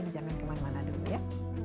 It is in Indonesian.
jadi jangan kemana mana dulu ya